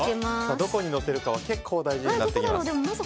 どこに乗せるかは結構、大事になってきます。